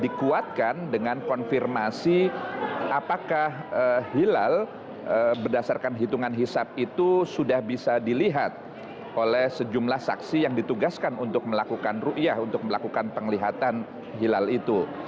dikuatkan dengan konfirmasi apakah hilal berdasarkan hitungan hisap itu sudah bisa dilihat oleh sejumlah saksi yang ditugaskan untuk melakukan ⁇ ruyah ⁇ untuk melakukan penglihatan hilal itu